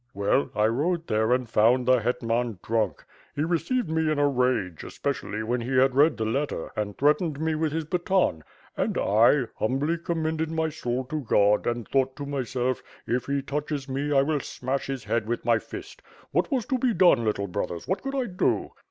"Well, I rode there and found the hetman drunk. He re ceived me in a rage, especially when he had read the letter, and threatened me with his baton; and I — humbly com mended my soul to God and thought to myself, ^if he touches me I will smash his head with my fist.' What was to be done, little brothers, what could I do?"